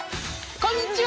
こんにちは！